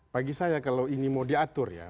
bagi saya kalau ini mau diatur ya